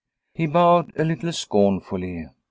..." He bowed a little scornfully.